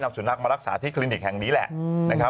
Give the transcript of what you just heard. นำส่วนนักมารักษาที่คลินิกแห่งนี้แหละ